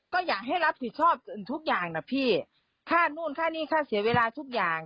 ก็อยากให้รับผิดชอบทุกอย่างนะพี่ค่านู่นค่านี่ค่าเสียเวลาทุกอย่าง